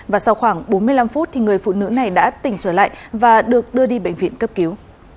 và sau khoảng bốn mươi năm phút người phụ nữ này đã tỉnh trở lại và được đưa đi bệnh viện cấp cứu